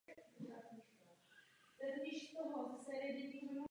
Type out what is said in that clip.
Následující léta vývoje Zlína bývají označována jako období "Budování zahradního města".